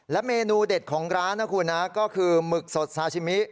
เมนูเด็ดของร้านนะคุณนะก็คือหมึกสดซาชิมิ